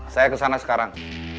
saya kesana sekarang